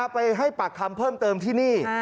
ไปให้ปากคำเพิ่มเติมที่นี่